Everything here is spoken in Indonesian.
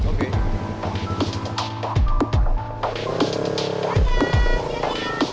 itu dia ya orang